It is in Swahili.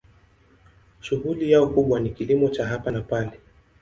Shughuli yao kubwa ni kilimo cha hapa na pale.